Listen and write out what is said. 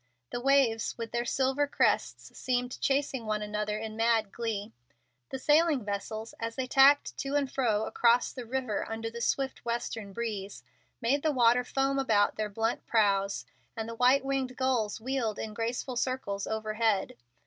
The waves with their silver crests seemed chasing one another in mad glee. The sailing vessels, as they tacked to and fro across the river under the stiff western breeze, made the water foam about their blunt prows, and the white winged gulls wheeled in graceful circles overhead.